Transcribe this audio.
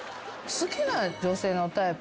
好きな女性のタイプ